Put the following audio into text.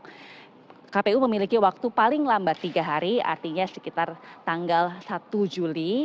karena kpu memiliki waktu paling lambat tiga hari artinya sekitar tanggal satu juli